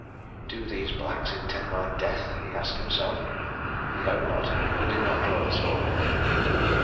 "Do these blacks intend my death?" he asked himself. He hoped not, but did not draw the sword.